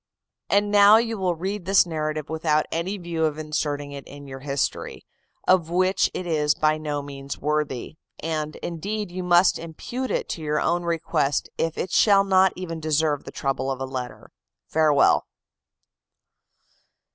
"And now you will read this narrative without any view of inserting it in your history, of which it is by no means worthy; and, indeed, you must impute it to your own request if it shall not even deserve the trouble of a letter. Farewell!"